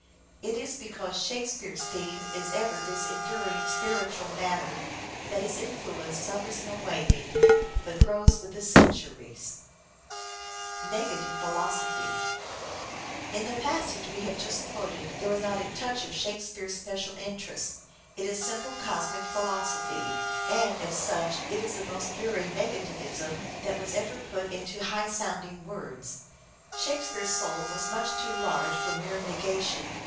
It is because Shakespeare's theme is ever this enduring spiritual matter that his influence suffers no waning, but grows with the centuries. In the passage we have just quoted there is not a Negative touch of Shakespeare's special interest. It is simple p osoPhv cosmic philosophy, and, as such, it is the most dreary negativism that was ever put into high sounding words. Shakespeare's soul was much too large for mere negation.